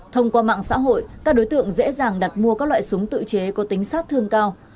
thông qua mạng xã hội các đối tượng dễ dàng đặt mua các loại súng tự chế có tính sát thương cao